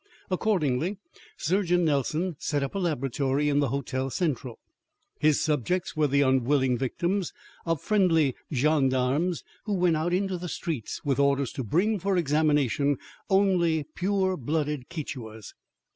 Accordingly, Surgeon Nelson set up a laboratory in the Hotel Central. His subjects were the unwilling victims of friendly gendarmes who went out into the streets with orders to bring for examination only pure blooded Quichuas.